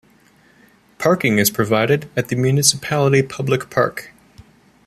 Parking is provided at the Municipality Public Park.